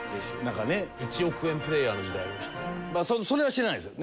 それは知らないですよ。